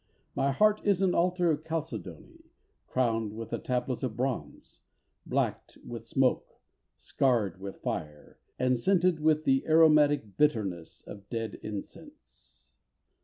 My heart is an altar of chalcedony, Crowned with a tablet of bronze, Blacked with smoke, scarred with fire, And scented with the aromatic bitterness Of dead incense.